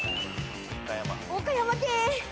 岡山県。